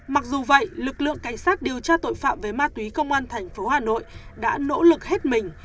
mặc dù vậy lực lượng cảnh sát điều tra tội phạm về ma túy công an thành phố hà nội đã nỗ lực hết mình